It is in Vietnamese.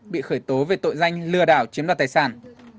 bị khởi tố về tội danh lừa đảo chiếm đoạt tài sản